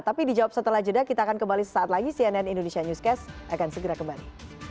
tapi dijawab setelah jeda kita akan kembali sesaat lagi cnn indonesia newscast akan segera kembali